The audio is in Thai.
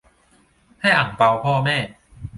ให้อั่งเปาพ่อแม่